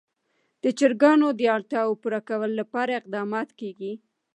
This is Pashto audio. د چرګانو د اړتیاوو پوره کولو لپاره اقدامات کېږي.